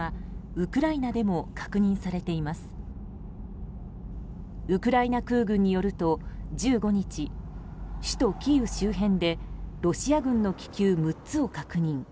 ウクライナ空軍によると１５日首都キーウ周辺でロシア軍の気球６つを確認。